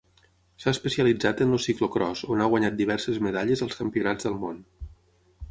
S'ha especialitzat en el ciclocròs on ha guanyat diverses medalles als Campionats del món.